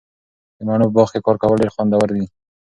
د مڼو په باغ کې کار کول ډیر خوندور وي.